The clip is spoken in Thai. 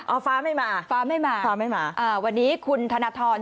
เอาฟ้าไม่มาฟ้าไม่มาฟ้าไม่มาอ่าวันนี้คุณธนทร